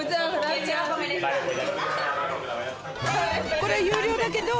これは有料だけど。